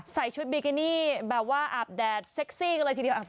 ใส่ชุดบิกินี่แบบว่าอาบแดดเซ็กซี่กันเลยทีเดียว